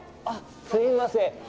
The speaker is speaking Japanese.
あっ、すみません。